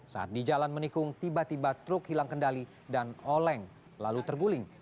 saat di jalan menikung tiba tiba truk hilang kendali dan oleng lalu terguling